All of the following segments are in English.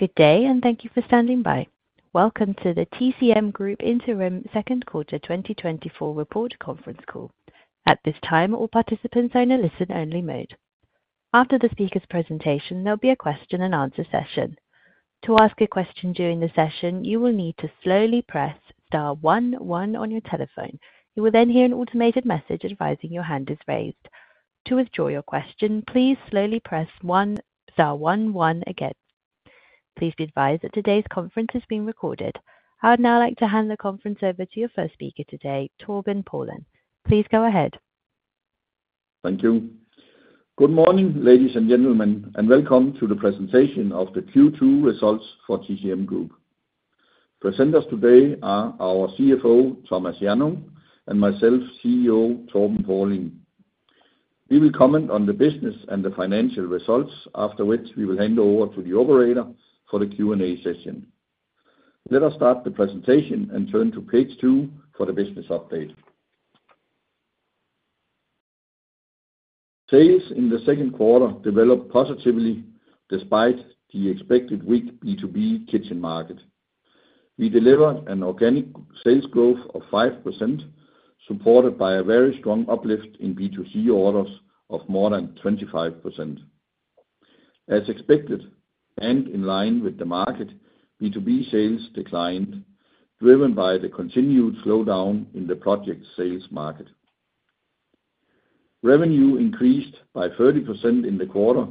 Good day, and thank you for standing by. Welcome to the TCM Group Interim Second Quarter 2024 Report Conference Call. At this time, all participants are in a listen-only mode. After the speaker's presentation, there'll be a question-and-answer session. To ask a question during the session, you will need to slowly press star one one on your telephone. You will then hear an automated message advising your hand is raised. To withdraw your question, please slowly press star one one again. Please be advised that today's conference is being recorded. I would now like to hand the conference over to your first speaker today, Torben Paulin. Please go ahead. Thank you. Good morning, ladies and gentlemen, and welcome to the presentation of the Q2 results for TCM Group. Presenters today are our CFO, Thomas Hjannung, and myself, CEO, Torben Paulin. We will comment on the business and the financial results, after which we will hand over to the operator for the Q&A session. Let us start the presentation and turn to page two for the business update. Sales in the second quarter developed positively despite the expected weak B2B kitchen market. We delivered an organic sales growth of 5%, supported by a very strong uplift in B2C orders of more than 25%. As expected, and in line with the market, B2B sales declined, driven by the continued slowdown in the project sales market. Revenue increased by 30% in the quarter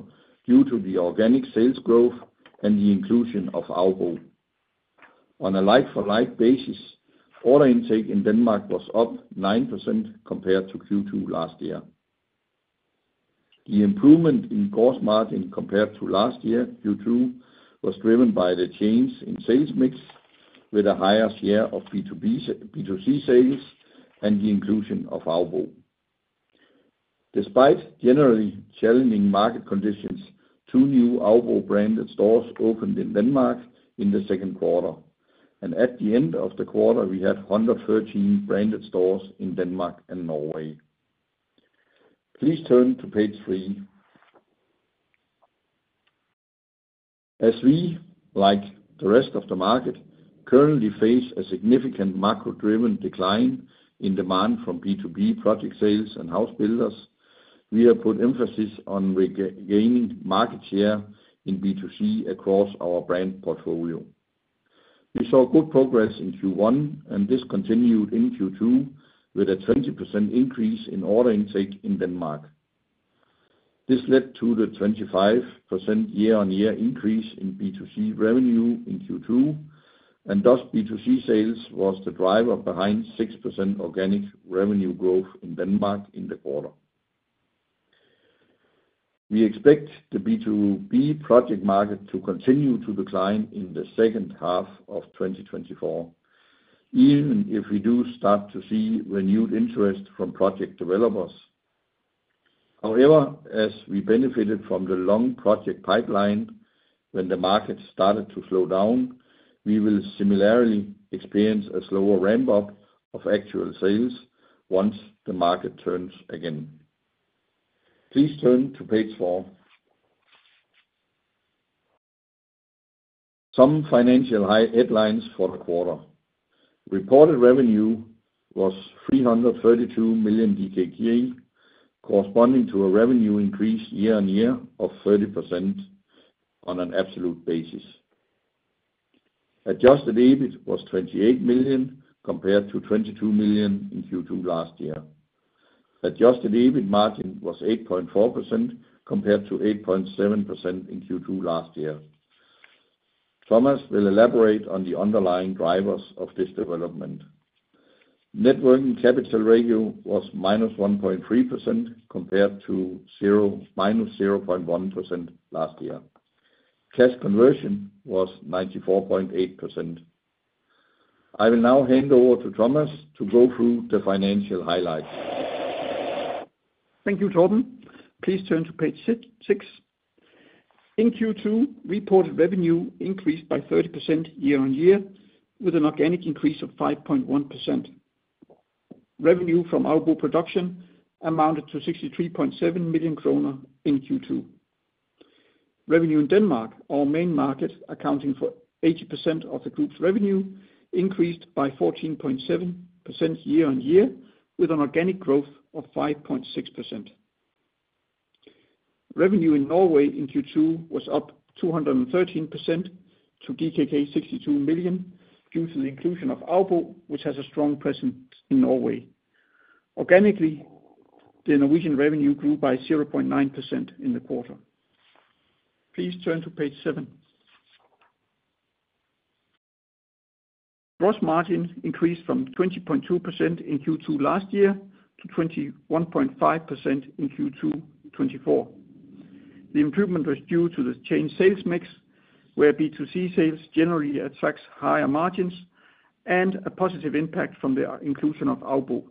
due to the organic sales growth and the inclusion of Aubo. On a like-for-like basis, order intake in Denmark was up 9% compared to Q2 last year. The improvement in gross margin compared to last year, Q2, was driven by the change in sales mix, with a higher share of B2B, B2C sales and the inclusion of Aubo. Despite generally challenging market conditions, two new Aubo-branded stores opened in Denmark in the second quarter, and at the end of the quarter, we had 113 branded stores in Denmark and Norway. Please turn to page three. As we, like the rest of the market, currently face a significant macro-driven decline in demand from B2B project sales and house builders, we have put emphasis on regaining market share in B2C across our brand portfolio. We saw good progress in Q1, and this continued in Q2 with a 20% increase in order intake in Denmark. This led to the 25% year-on-year increase in B2C revenue in Q2, and thus, B2C sales was the driver behind 6% organic revenue growth in Denmark in the quarter. We expect the B2B project market to continue to decline in the second half of 2024, even if we do start to see renewed interest from project developers. However, as we benefited from the long project pipeline when the market started to slow down, we will similarly experience a slower ramp-up of actual sales once the market turns again. Please turn to page four. Some financial high headlines for the quarter. Reported revenue was 332 million DKK, corresponding to a revenue increase year-on-year of 30% on an absolute basis. Adjusted EBIT was 28 million, compared to 22 million in Q2 last year. Adjusted EBIT margin was 8.4%, compared to 8.7% in Q2 last year. Thomas will elaborate on the underlying drivers of this development. Net working capital ratio was minus 1.3%, compared to minus 0.1% last year. Cash conversion was 94.8%. I will now hand over to Thomas to go through the financial highlights. Thank you, Torben. Please turn to page six. In Q2, reported revenue increased by 30% year-on-year, with an organic increase of 5.1%. Revenue from Aubo production amounted to 63.7 million kroner in Q2. Revenue in Denmark, our main market, accounting for 80% of the group's revenue, increased by 14.7% year-on-year, with an organic growth of 5.6%. Revenue in Norway in Q2 was up 213% to 62 million due to the inclusion of Aubo, which has a strong presence in Norway. Organically, the Norwegian revenue grew by 0.9% in the quarter. Please turn to page seven. Gross margin increased from 20.2% in Q2 last year to 21.5% in Q2 2024. The improvement was due to the changed sales mix, where B2C sales generally attracts higher margins and a positive impact from the inclusion of Aubo.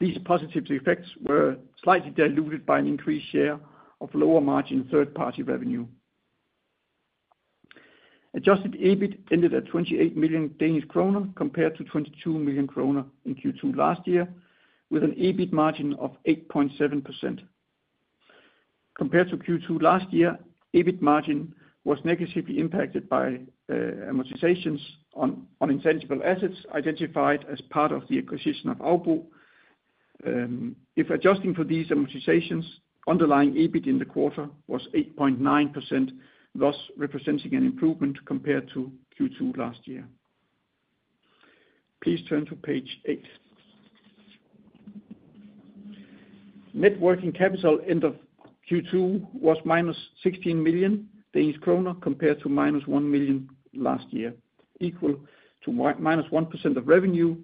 These positive effects were slightly diluted by an increased share of lower-margin third-party revenue. Adjusted EBIT ended at 28 million Danish kroner compared to 22 million kroner in Q2 last year, with an EBIT margin of 8.7%. Compared to Q2 last year, EBIT margin was negatively impacted by amortizations on intangible assets identified as part of the acquisition of Aubo. If adjusting for these amortizations, underlying EBIT in the quarter was 8.9%, thus representing an improvement compared to Q2 last year. Please turn to page eight. Net working capital end of Q2 was -16 million Danish kroner compared to -1 million last year, equal to -1% of revenue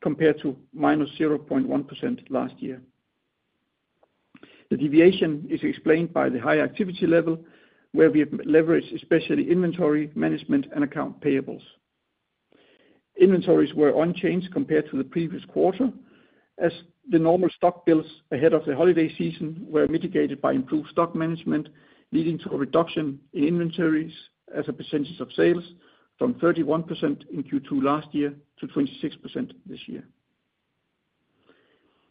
compared to -0.1% last year. The deviation is explained by the high activity level, where we have leveraged, especially inventory management and account payables. Inventories were unchanged compared to the previous quarter, as the normal stock builds ahead of the holiday season were mitigated by improved stock management, leading to a reduction in inventories as a percentage of sales from 31% in Q2 last year to 26% this year.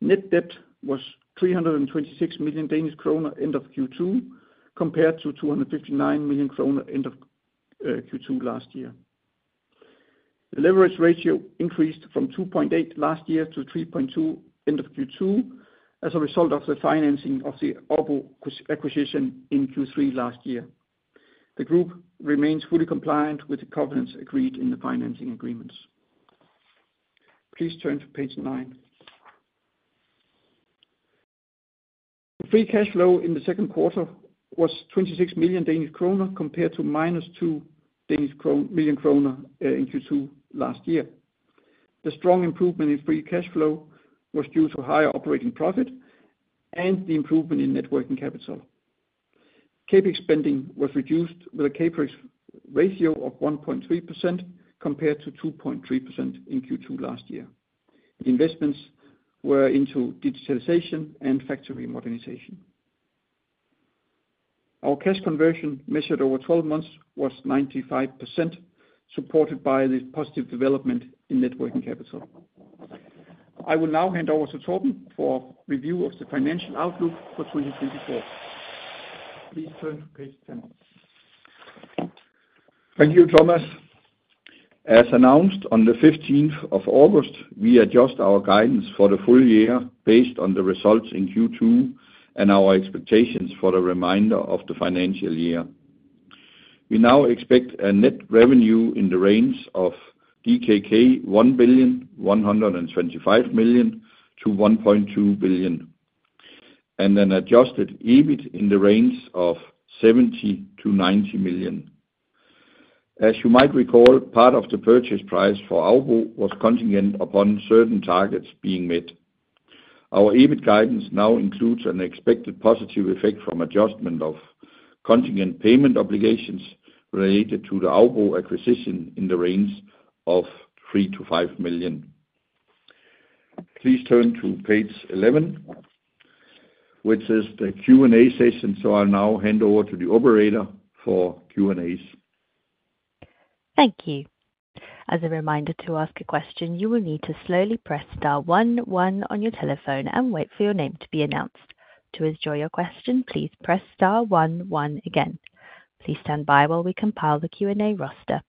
Net debt was 326 million Danish kroner end of Q2, compared to 259 million kroner end of Q2 last year. The leverage ratio increased from 2.8 last year to 3.2 end of Q2, as a result of the financing of the Aubo acquisition in Q3 last year. The group remains fully compliant with the covenants agreed in the financing agreements. Please turn to page 9. Free cash flow in the second quarter was 26 million Danish kroner, compared to -2 million kroner in Q2 last year. The strong improvement in free cash flow was due to higher operating profit and the improvement in net working capital. CapEx spending was reduced with a CapEx ratio of 1.3% compared to 2.3% in Q2 last year. Investments were into digitalization and factory modernization. Our cash conversion, measured over 12 months, was 95%, supported by the positive development in net working capital. I will now hand over to Torben for review of the financial outlook for 2024. Please turn to page 10. Thank you, Thomas. As announced on the fifteenth of August, we adjust our guidance for the full year based on the results in Q2 and our expectations for the remainder of the financial year. We now expect a net revenue in the range of DKK 1.125 billion to 1.2 billion, and an adjusted EBIT in the range of 0-90 million. As you might recall, part of the purchase price for Aubo was contingent upon certain targets being met. Our EBIT guidance now includes an expected positive effect from adjustment of contingent payment obligations related to the Aubo acquisition in the range of 3-5 million. Please turn to page 11, which is the Q&A session. So I'll now hand over to the operator for Q&A. Thank you. As a reminder, to ask a question, you will need to slowly press star one one on your telephone and wait for your name to be announced. To withdraw your question, please press star one one again. Please stand by while we compile the Q&A roster.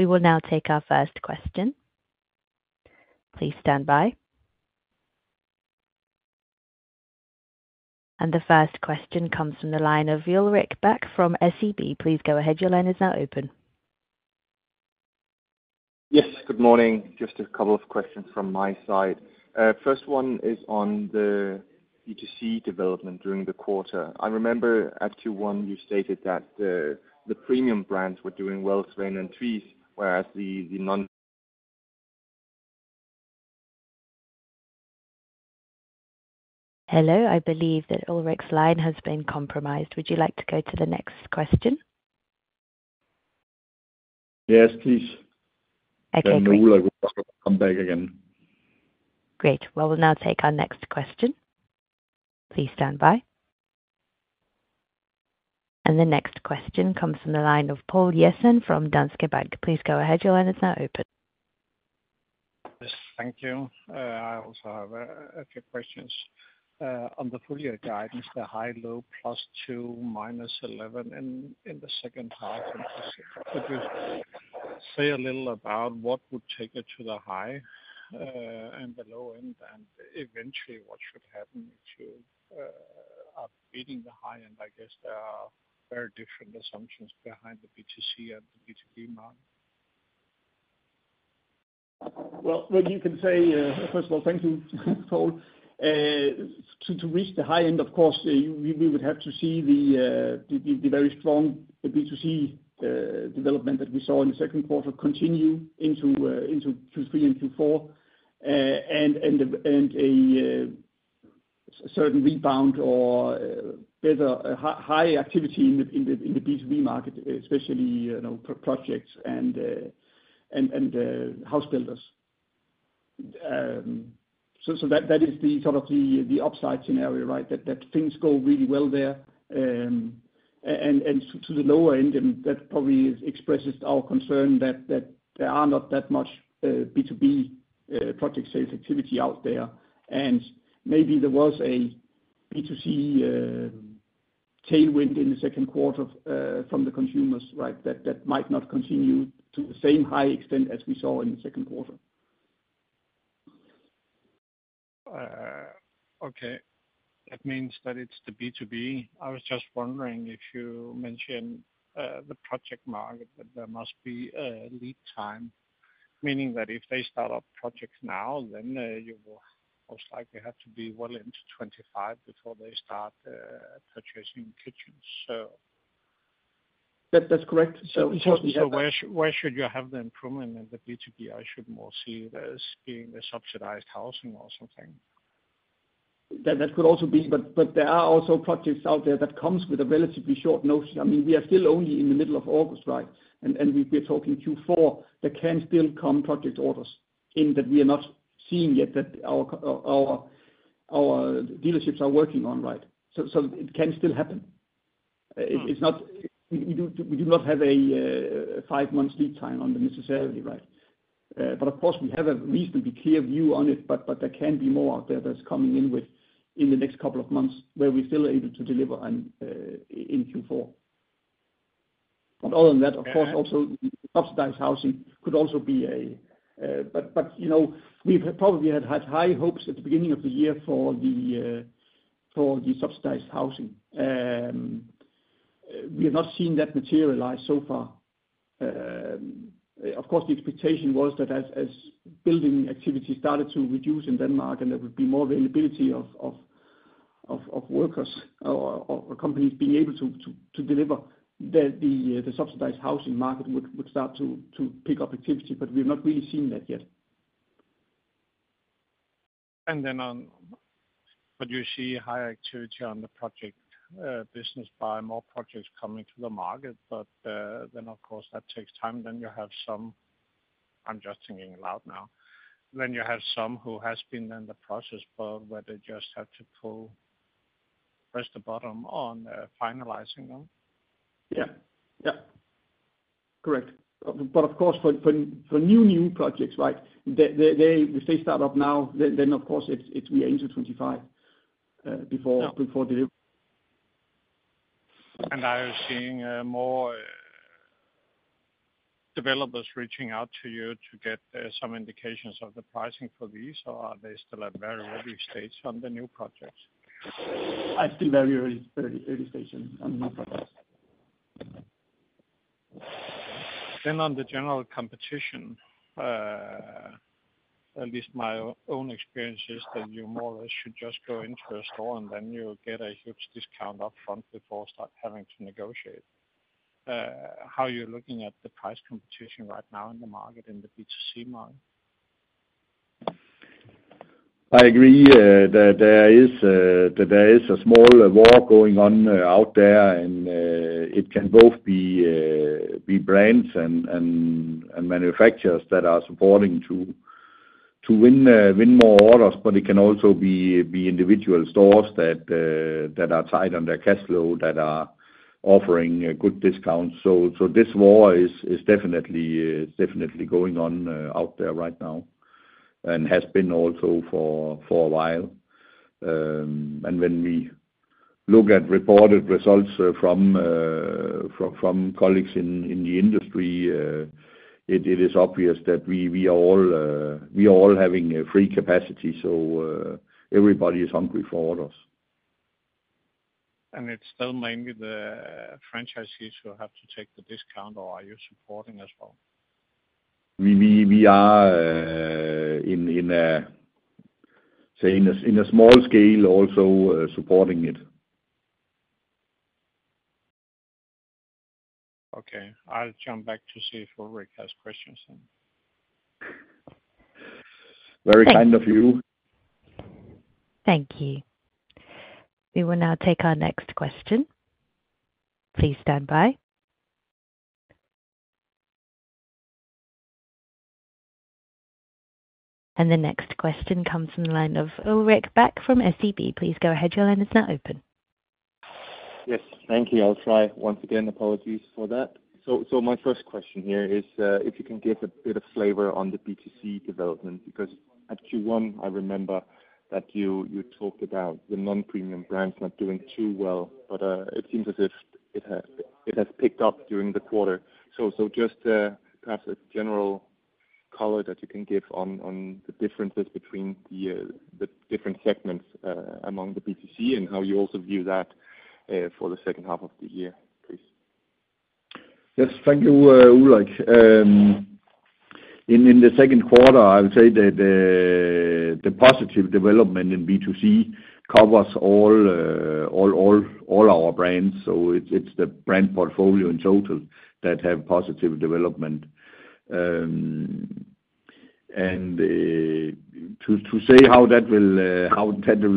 We will now take our first question. Please stand by. And the first question comes from the line of Ulrik Bak from SEB. Please go ahead. Your line is now open. Yes, good morning. Just a couple of questions from my side. First one is on the B2C development during the quarter. I remember at Q1, you stated that, the premium brands were doing well, Svane and Tvis, whereas the non. Hello, I believe that Ulrik's line has been compromised. Would you like to go to the next question? Yes, please. Okay, great. Then Ulrik will come back again. Great. Well, we'll now take our next question. Please stand by, and the next question comes from the line of Poul Jessen from Danske Bank. Please go ahead. Your line is now open. Yes, thank you. I also have a few questions. On the full year guidance, the high, low, +2 to -11 in the second half. Could you say a little about what would take it to the high, and the low, and eventually, what should happen to up beating the high? And I guess there are very different assumptions behind the B2C and the B2B market. What you can say, first of all, thank you, Poul. To reach the high end, of course, we would have to see the very strong B2C development that we saw in the second quarter continue into Q3 and Q4. And a certain rebound or better, a high activity in the B2B market, especially, you know, projects and house builders. So that is the sort of the upside scenario, right? That things go really well there. And to the lower end, that probably expresses our concern that there are not that much B2B project sales activity out there. And maybe there was a B2C tailwind in the second quarter from the consumers, right, that might not continue to the same high extent as we saw in the second quarter. Okay. That means that it's the B2B. I was just wondering if you mentioned the project market, that there must be a lead time, meaning that if they start up projects now, then you will most likely have to be well into 2025 before they start purchasing kitchens, so. That's correct. So. So where should you have the improvement in the B2B? I should more see this being a subsidized housing or something. That could also be, but there are also projects out there that comes with a relatively short notice. I mean, we are still only in the middle of August, right? And we are talking Q4, there can still come project orders in that we are not seeing yet, that our our dealerships are working on, right? So it can still happen. We do not have a five-month lead time on them necessarily, right? But of course, we have a reasonably clear view on it, but there can be more out there that's coming in within the next couple of months, where we still are able to deliver on in Q4. But other than that, of course, also, subsidized housing could also be a. But, you know, we've probably had high hopes at the beginning of the year for the subsidized housing. We have not seen that materialize so far. Of course, the expectation was that as building activity started to reduce in Denmark, and there would be more availability of workers or companies being able to deliver, that the subsidized housing market would start to pick up activity, but we've not really seen that yet. And then on, would you see higher activity on the project business by more projects coming to the market? But then of course, that takes time, then you have some... I'm just thinking aloud now. Then you have some who has been in the process flow, where they just have to pull, press the button on finalizing them. Yeah. Yeah. Correct. But of course, for new projects, right, they, if they start up now, then of course it's we are into 2025 before delivery. Are you seeing more developers reaching out to you to get some indications of the pricing for these? Or are they still at very early stage on the new projects? Still very early stage on new projects. Then on the general competition, at least my own experience is that you more or less should just go into a store, and then you'll get a huge discount up front before start having to negotiate. How you're looking at the price competition right now in the market, in the B2C market? I agree that there is a small war going on out there, and it can both be brands and manufacturers that are supporting to win more orders. But it can also be individual stores that are tight on their cash flow that are offering a good discount. So this war is definitely going on out there right now, and has been also for a while. And when we look at reported results from colleagues in the industry, it is obvious that we are all having a free capacity, so everybody is hungry for orders. It's still mainly the franchisees who have to take the discount, or are you supporting as well? We are in a small scale also supporting it. Okay. I'll jump back to see if Ulrik has questions then. Very kind of you. Thank you. We will now take our next question. Please stand by, and the next question comes from the line of Ulrik Bak from SEB. Please go ahead. Your line is now open. Yes. Thank you. I'll try once again. Apologies for that. My first question here is if you can give a bit of flavor on the B2C development, because at Q1, I remember that you talked about the non-premium brands not doing too well, but it seems as if it has picked up during the quarter. Just perhaps a general color that you can give on the differences between the different segments among the B2C, and how you also view that for the second half of the year, please. Yes, thank you, Ulrik. In the second quarter, I would say that the positive development in B2C covers all our brands, so it's the brand portfolio in total that have positive development. And to say how that will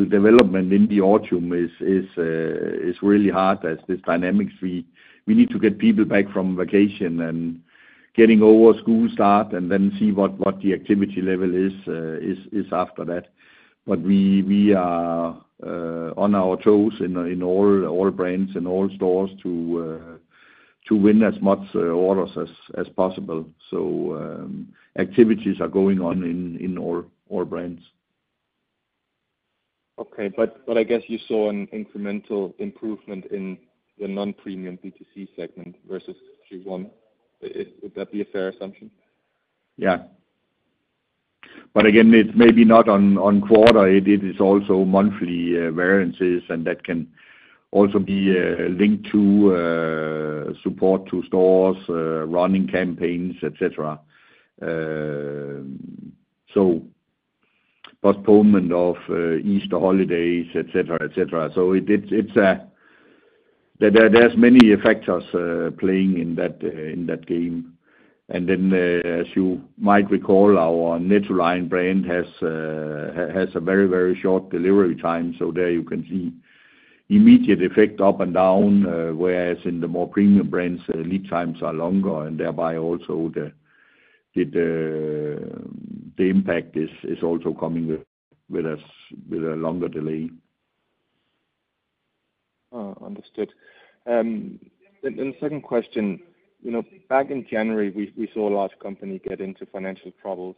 development in the autumn is really hard as this dynamics. We need to get people back from vacation and getting over school start, and then see what the activity level is after that. But we are on our toes in all brands, in all stores to win as much orders as possible. So, activities are going on in all brands. Okay, but I guess you saw an incremental improvement in the non-premium B2C segment versus Q1. Would that be a fair assumption? Yeah. But again, it's maybe not on quarter, it is also monthly variances, and that can also be linked to support to stores, running campaigns, et cetera. So postponement of Easter holidays, et cetera. So it's... There's many factors playing in that game. And then, as you might recall, our Nettoline brand has a very, very short delivery time, so there you can see immediate effect up and down. Whereas in the more premium brands, lead times are longer, and thereby also the impact is also coming with us with a longer delay. Understood. And the second question: You know, back in January, we saw a large company get into financial troubles.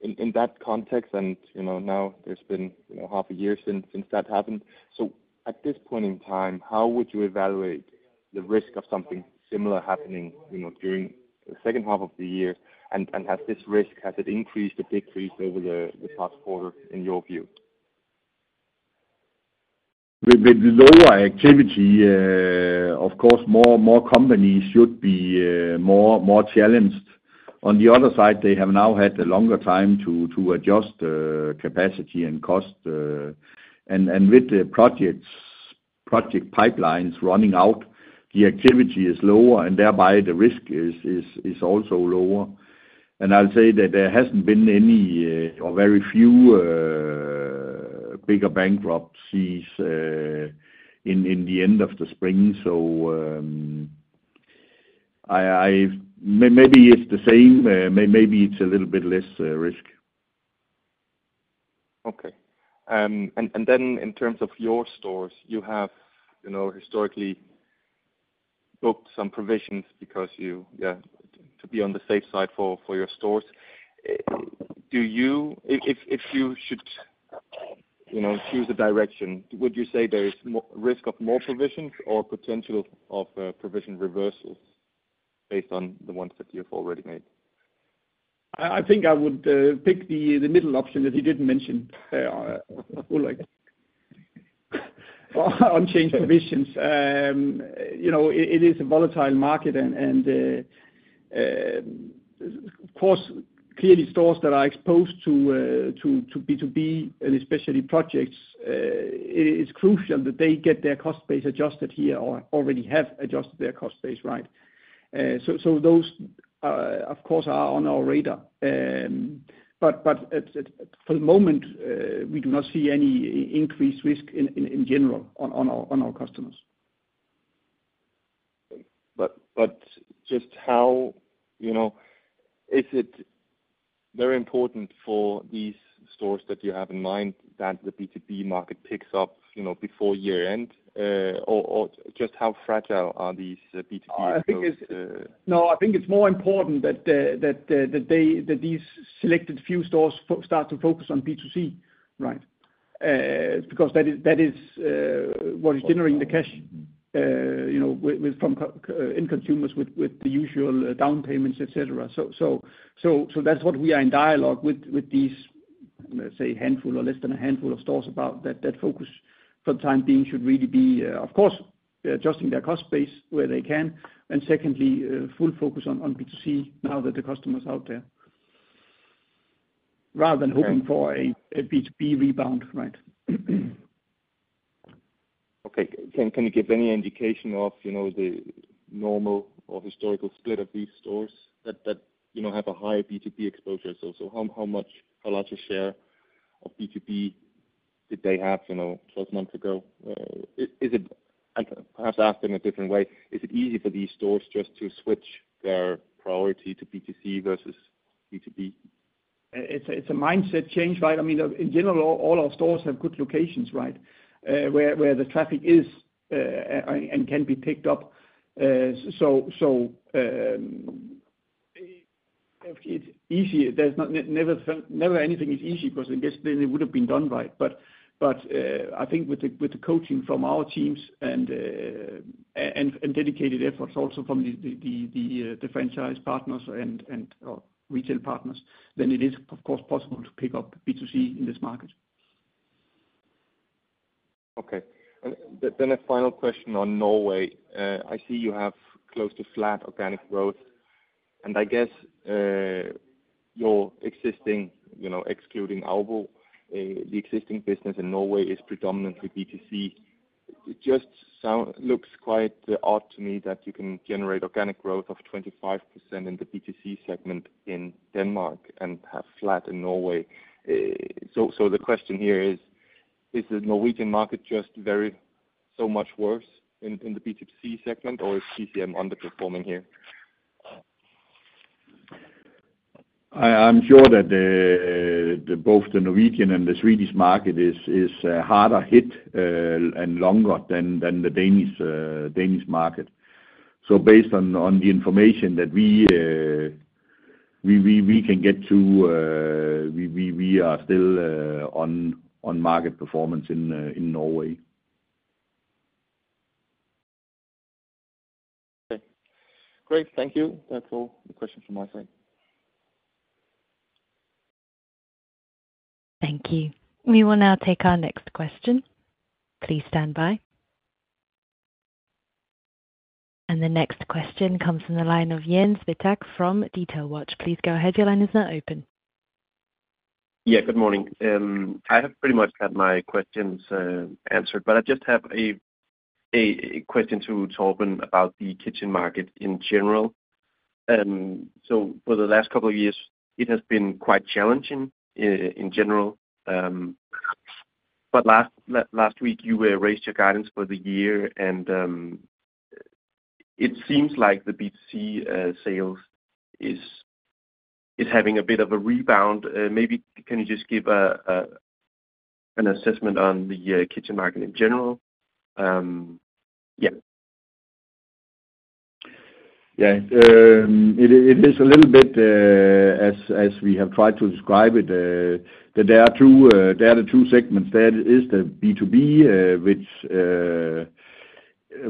In that context, and, you know, now it's been, you know, half a year since that happened, so at this point in time, how would you evaluate the risk of something similar happening, you know, during the second half of the year? And has this risk increased or decreased over the past quarter, in your view? With lower activity, of course, more companies should be more challenged. On the other side, they have now had a longer time to adjust capacity and cost. And with the project pipelines running out, the activity is lower, and thereby the risk is also lower. And I'll say that there hasn't been any or very few bigger bankruptcies in the end of the spring, so I. Maybe it's the same, maybe it's a little bit less risk. Okay. And then in terms of your stores, you have, you know, historically booked some provisions because you, yeah, to be on the safe side for your stores. Do you? If you should, you know, choose a direction, would you say there is more risk of more provisions or potential of provision reversals based on the ones that you've already made? I think I would pick the middle option that you didn't mention, Ulrik, unchanged provisions. You know, it is a volatile market, and of course, clearly stores that are exposed to B2B, and especially projects, it is crucial that they get their cost base adjusted here or already have adjusted their cost base right. So those of course are on our radar. But at for the moment, we do not see any increased risk in general on our customers. But just how, you know, is it very important for these stores that you have in mind, that the B2B market picks up, you know, before year end? Or just how fragile are these B2B exposures? I think it's. No, I think it's more important that they, that these selected few stores start to focus on B2C, right? Because that is what is generating the cash, you know, with from end consumers with the usual down payments, et cetera. So that's what we are in dialogue with these, let's say, handful or less than a handful of stores about, that that focus for the time being should really be, of course, adjusting their cost base where they can, and secondly, full focus on B2C now that the customer's out there, rather than hoping for a B2B rebound, right? Okay. Can you give any indication of, you know, the normal or historical split of these stores that, you know, have a high B2B exposure? So, how much, how large a share of B2B did they have, you know, 12 months ago? Is it, I perhaps ask in a different way, is it easy for these stores just to switch their priority to B2C versus B2B? It's a mindset change, right? I mean, in general, all our stores have good locations, right? Where the traffic is and can be picked up. So, if it's easy, there's never anything easy, because I guess then it would've been done, right? But I think with the coaching from our teams and dedicated efforts also from the franchise partners and retail partners, then it is of course possible to pick up B2C in this market. Okay. And then a final question on Norway. I see you have close to flat organic growth, and I guess your existing, you know, excluding Aubo, the existing business in Norway is predominantly B2C. It just looks quite odd to me that you can generate organic growth of 25% in the B2C segment in Denmark and have flat in Norway. So the question here is: Is the Norwegian market just very, so much worse in the B2C segment, or is TCM underperforming here? I'm sure that both the Norwegian and the Swedish market is harder hit and longer than the Danish market. So based on the information that we can get to, we are still on market performance in Norway. Okay. Great. Thank you. That's all the questions from my side. Thank you. We will now take our next question. Please stand by. And the next question comes from the line of Jens Wittrup from DetailWatch. Please go ahead. Your line is now open. Yeah, good morning. I have pretty much had my questions answered, but I just have a question to Torben about the kitchen market in general. So for the last couple of years, it has been quite challenging in general, but last week, you raised your guidance for the year, and it seems like the B2C sales is having a bit of a rebound. Maybe can you just give an assessment on the kitchen market in general? Yeah. Yeah. It is a little bit, as we have tried to describe it, that there are the two segments. There is the B2B, which,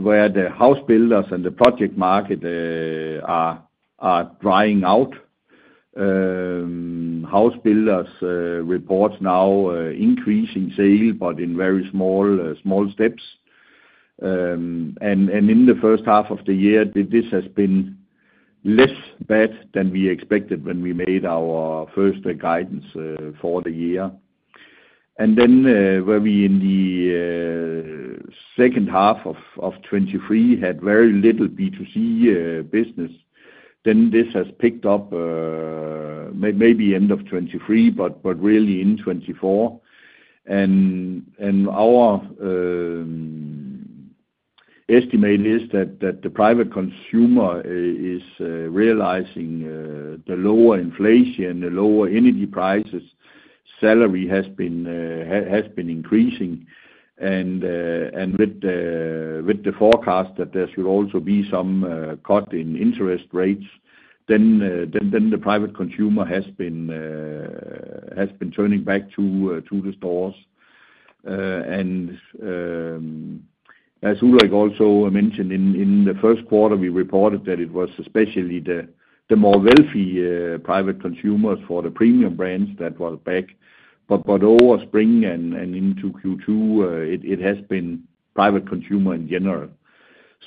where the house builders and the project market are drying out. House builders reports now increase in sale, but in very small steps. And in the first half of the year, this has been less bad than we expected when we made our first guidance for the year. And then, where we in the second half of 2023 had very little B2C business, then this has picked up maybe end of 2023, but really in 2024. Our estimate is that the private consumer is realizing the lower inflation, the lower energy prices. Salary has been increasing and, with the forecast that there should also be some cut in interest rates, the private consumer has been turning back to the stores. As Ulrik also mentioned, in the first quarter we reported that it was especially the more wealthy private consumers for the premium brands that were back, but over spring and into Q2, it has been private consumer in general.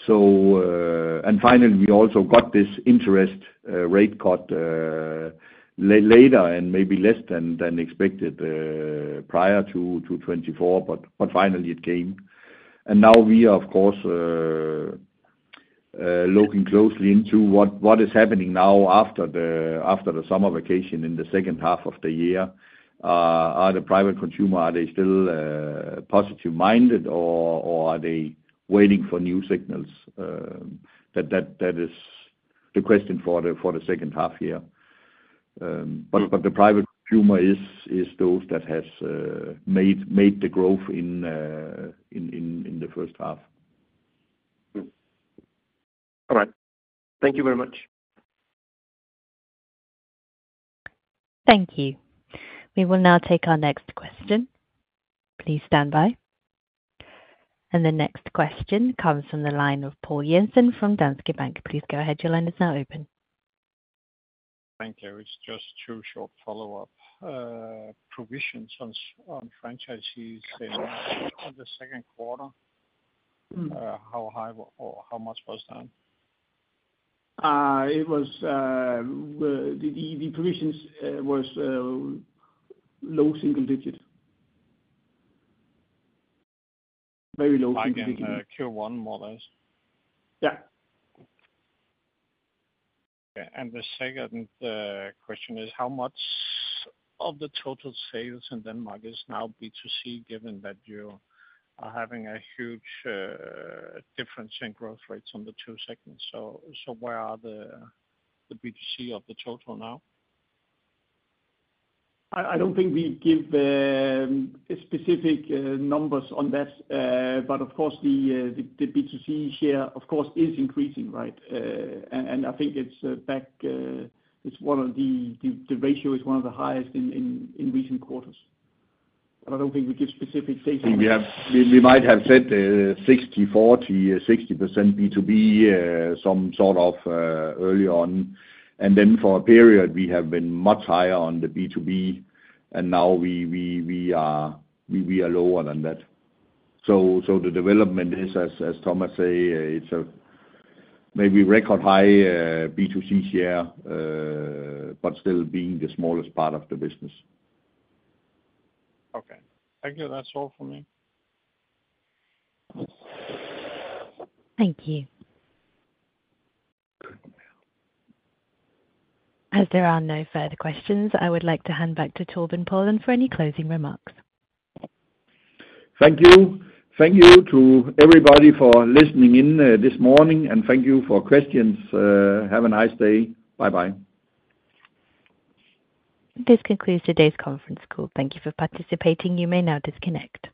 Finally, we also got this interest rate cut later and maybe less than expected prior to 2024, but finally it came. Now we are, of course, looking closely into what is happening now after the summer vacation in the second half of the year. Are the private consumer still positive-minded, or are they waiting for new signals? That is the question for the second half year. But the private consumer is those that has made the growth in the first half. All right. Thank you very much. Thank you. We will now take our next question. Please stand by, and the next question comes from the line of Poul Jessen from Danske Bank. Please go ahead. Your line is now open. Thank you. It's just two short follow-up. Provisions on franchisees, on the second quarter. How high or how much was that? It was well, the provisions was low single digit. Very low single digit. Like in, Q1, more or less? Yeah. Okay, and the second question is: How much of the total sales in Denmark is now B2C, given that you are having a huge difference in growth rates on the two segments? So, where are the B2C of the total now? I don't think we give specific numbers on that, but of course, the B2C share, of course, is increasing, right? And I think it's back, it's one of the... The ratio is one of the highest in recent quarters, but I don't think we give specific data. We might have said 60-40, 60% B2B, some sort of early on, and then for a period, we have been much higher on the B2B, and now we are lower than that. So the development is as Thomas say, it's a maybe record high B2C share, but still being the smallest part of the business. Okay. Thank you. That's all for me. Thank you. As there are no further questions, I would like to hand back to Torben Paulin for any closing remarks. Thank you. Thank you to everybody for listening in, this morning, and thank you for questions. Have a nice day. Bye-bye. This concludes today's conference call. Thank you for participating. You may now disconnect.